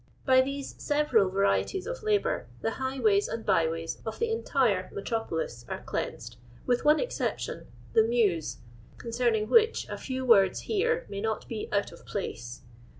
By these several varii ties of labour the high ways and by ways of the entire metropolis are cleansed, with one exception — the Mew», con ceniiug which a few words here may not be out of place.